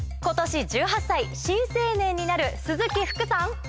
今年１８歳新成年になる鈴木福さん